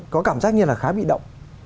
có cảm giác như là khá bị động